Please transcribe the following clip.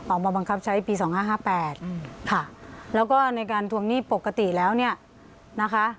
บังคับใช้ปี๒๕๕๘ค่ะแล้วก็ในการทวงหนี้ปกติแล้วเนี่ยนะคะ